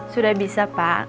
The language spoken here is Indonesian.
sudah bisa pak